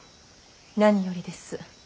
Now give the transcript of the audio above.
何よりです。